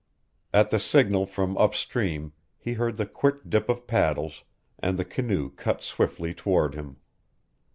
At the signal from up stream he heard the quick dip of paddles, and the canoe cut swiftly toward him.